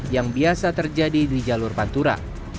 yang biasa terjadi di jalur pantura